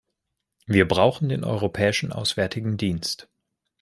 Wir brauchen den Europäischen Auswärtigen Dienst.